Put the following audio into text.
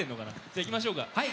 じゃあいきましょうか。